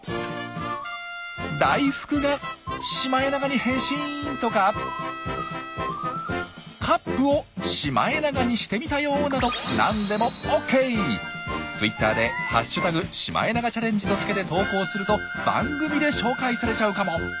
「大福がシマエナガに変身！」とか「カップをシマエナガにしてみたよ！」などＴｗｉｔｔｅｒで「＃シマエナガチャレンジ」とつけて投稿すると番組で紹介されちゃうかも！